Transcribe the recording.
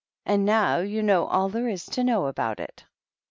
And now you know all there is to know about it."